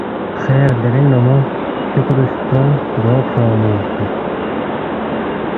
خیر دینگ نُو مو شُوکُورُو ستونگ گو کھروا اونگمی اِنسُوک